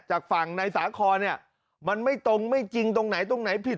จากฝั่งในสาครเนี่ยมันไม่ตรงไม่จริงตรงไหนตรงไหนผิด